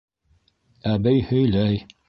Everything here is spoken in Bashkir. Әбей һөйләй: